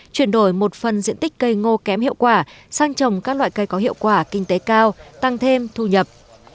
chuyển đổi một phần diện tích cây ngô kém hiệu quả sang trồng các loại cây có hiệu quả kinh tế cao tăng thêm thu nhập